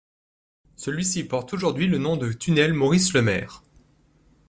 Celui-ci porte aujourd'hui le nom de tunnel Maurice-Lemaire.